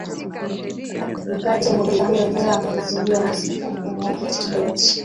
Jokate Mwegelo leo ameizundua rasmi kampuni yake ya Kidoti